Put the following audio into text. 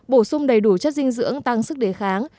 bổ sung đầy đủ chất dinh dưỡng tăng sức đề kháng